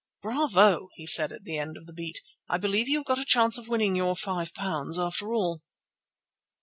"Bravo!" he said at the end of the beat. "I believe you have got a chance of winning your £5, after all."